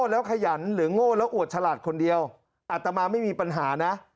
แล้วขยันหรือโง่แล้วอวดฉลาดคนเดียวอัตมาไม่มีปัญหานะ